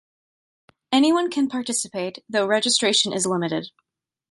Anyone can participate, though registration is limited.